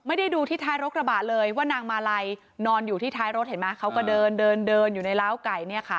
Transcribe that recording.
ไม่ได้ดูที่ท้ายรกระบะเลยว่านางมาลัยนอนอยู่ที่ท้ายรถเห็นไหมเขาก็เดินเดินอยู่ในล้าวไก่เนี่ยค่ะ